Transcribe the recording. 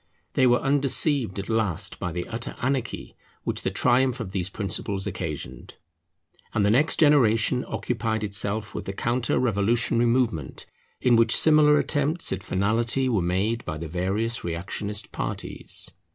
They were undeceived at last by the utter anarchy which the triumph of these principles occasioned; and the next generation occupied itself with the counter revolutionary movement, in which similar attempts at finality were made by the various reactionist parties.